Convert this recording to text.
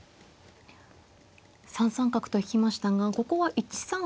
３三角と引きましたがここは１三歩